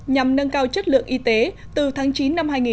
nhằm nâng cao chất lượng y tế từ tháng chín năm hai nghìn một mươi chín